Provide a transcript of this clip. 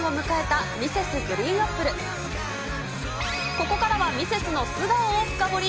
ここからはミセスの素顔を深掘り。